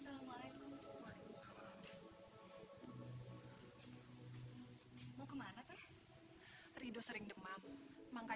seratus ribu kita potong untuk bunga